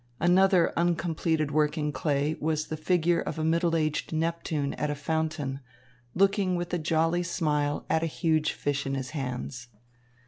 Another uncompleted work in clay was the figure of a middle aged Neptune at a fountain, looking with a jolly smile at a huge fish in his hands.